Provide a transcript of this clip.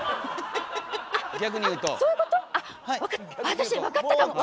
私分かったかも。